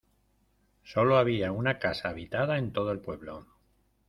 Sólo había una casa habitada en todo el pueblo.